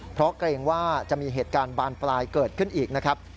เพราะเกรงว่าจะมีเหตุการณ์บานปลายเกิดขึ้นอีกนะครับ